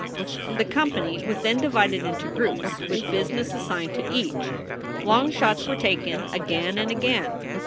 The company was then divided into groups, with business assigned to each. Long shots were taken again and again.